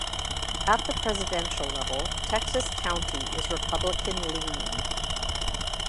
At the presidential level, Texas County is Republican-leaning.